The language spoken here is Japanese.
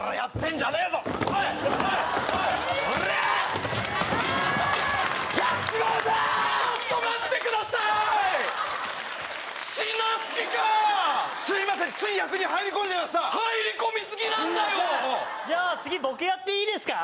じゃあ次僕やっていいですか？